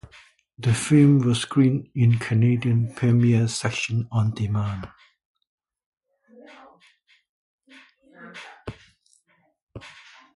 The film was screened in Canadian Premiere section on demand.